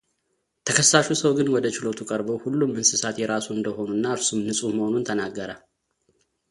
ተከሳሹ ሰው ግን ወደ ችሎቱ ቀርቦ ሁሉም እንስሳት የራሱ እንደሆኑና እርሱም ንፁህ መሆኑን ተናገረ፡፡